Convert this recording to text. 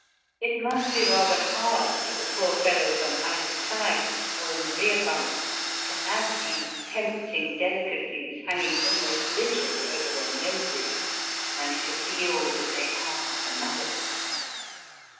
It must be rather hard for the poor fellows on either side or in the rear bunks to have these tempting delicacies hanging almost literally over their noses and to feel that they are another's.